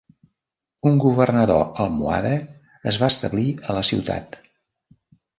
Un governador almohade es va establir a la ciutat.